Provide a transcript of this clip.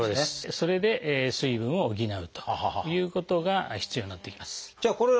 それで水分を補うということが必要になってきます。